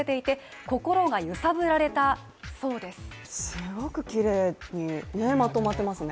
すごくきれいにまとまっていますね。